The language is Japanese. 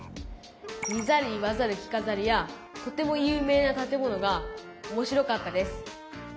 見ざる言わざる聞かざるやとても有名な建物がおもしろかったです。